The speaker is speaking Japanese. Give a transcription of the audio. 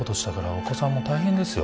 お子さんも大変ですよ